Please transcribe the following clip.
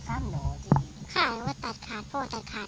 จุดจากที่พ่อของแม่เขา